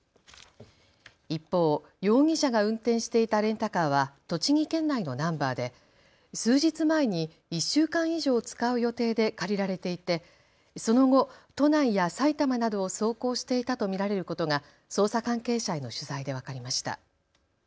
一方、容疑者が運転していたレンタカーは栃木県内のナンバーで数日前に１週間以上使う予定で借りられていてその後、都内や埼玉などを走行していたと見られることが捜査関係者への取材で分かりました。